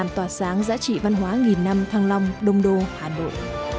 táng giã trị văn hóa nghìn năm thăng long đông đô hà nội